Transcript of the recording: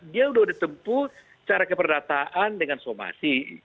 dia sudah ditempuh cara keperdataan dengan somasi